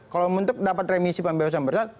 kalau untuk dapat remisi pembebasan bersalah